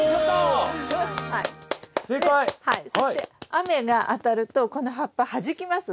そして雨が当たるとこの葉っぱはじきます。